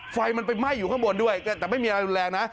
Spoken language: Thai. ไฟมันไปไหม้อยู่ข้างบนด้วยแต่ไม่มีอะไรรุนแรงนะ